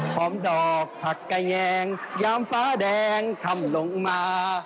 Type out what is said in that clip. ดอกผักกระแยงยามฟ้าแดงทำลงมา